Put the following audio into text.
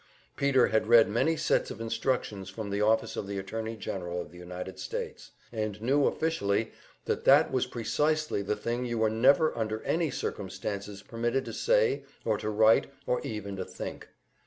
Peter had read many sets of instructions from the office of the Attorney General of the United States, and knew officially that that was precisely the thing you were never under any circumstances permitted to say, or to write, or even to think.